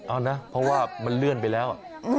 เอานะเพราะว่ามันเลื่อนไปแล้ว